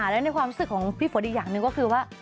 แล้วในความรู้สึกของพี่ฝนอีกอย่างหนึ่งก็คือว่า